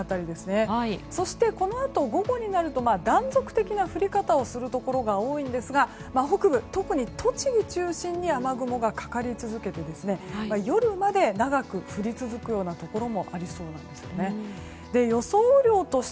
そしてこのあと午後になると断続的な降り方をするところが多いんですが北部、特に栃木中心に雨雲がかかり続けて夜まで長く降り続くようなところもありそうなんですね。